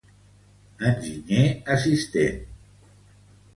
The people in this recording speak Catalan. Enginyer assistent.